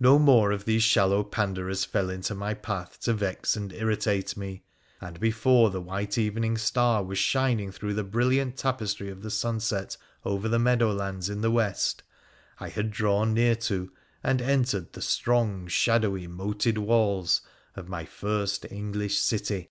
No more of these shallow panderers fell in my path to vex and irritate me, and before the white evening star was shining through the brilliant tapestry of the sunset over the meadow lands in the west I had drawn near to and entered the strong, shadowy, moated walls of my first English city.